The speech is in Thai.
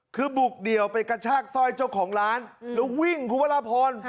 คือบุกเดี่ยวไปกระชากสร้อยเจ้าของร้านแล้ววิ่งคุณพระราพร